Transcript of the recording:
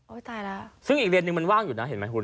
ตายแล้วซึ่งอีกเลนหนึ่งมันว่างอยู่นะเห็นไหมคุณ